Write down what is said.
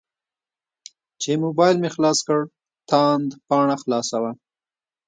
چې موبایل مې خلاص کړ تاند پاڼه خلاصه وه.